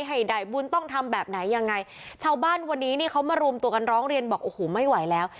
ให้ได้บุญต้องทำแบบไหนยังไงชาวบ้านวันนี้นี่เขามารวมตัวกันร้องเรียนบอกโอ้โหไม่ไหวแล้ว